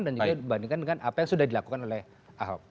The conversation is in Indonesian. dan juga membandingkan dengan apa yang sudah dilakukan oleh ahok